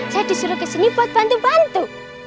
saya disuruh kesini buat bantu bantu